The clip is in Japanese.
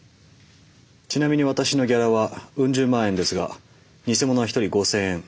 ちなみに私のギャラはウン十万円ですがニセモノは一人５，０００円。